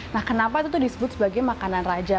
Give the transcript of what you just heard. nah kenapa itu disebut sebagai makanan raja